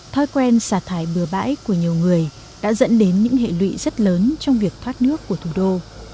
thói quen xả thải bừa bãi của nhiều người đã dẫn đến những hệ lụy rất lớn trong việc thoát nước của thủ đô